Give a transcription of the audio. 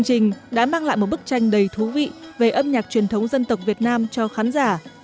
trình đã mang lại một bức tranh đầy thú vị về âm nhạc truyền thống dân tộc việt nam cho khán giả